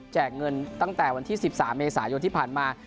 แจกเงินตั้งแต่วันที่๑๓เดสาหรับที่ผ่านมา